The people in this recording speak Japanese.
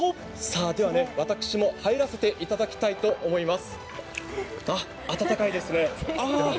では、私も入らせていただきたいと思います。